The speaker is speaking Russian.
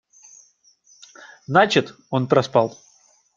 Значит, он проспал.